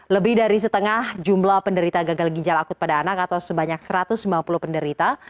lebih dari setengah jumlah penderita gagal ginjal akut pada anak atau sebanyak satu ratus sembilan puluh penderita